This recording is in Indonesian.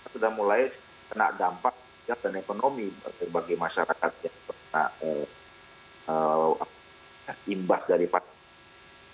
sudah mulai kena dampak kesehatan ekonomi bagi masyarakat yang terkena imbas dari pandemi